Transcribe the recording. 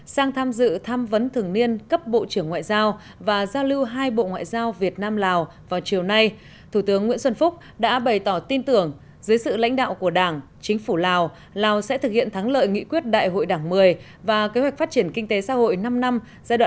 sang tham dự tham vấn thường niên cấp bộ trưởng ngoại giao và giao lưu hai bộ ngoại giao việt nam lào vào chiều nay thủ tướng nguyễn xuân phúc đã bày tỏ tin tưởng dưới sự lãnh đạo của đảng chính phủ lào lào sẽ thực hiện thắng lợi nghị quyết đại hội đảng một mươi và kế hoạch phát triển kinh tế xã hội năm năm giai đoạn hai nghìn hai mươi một hai nghìn ba mươi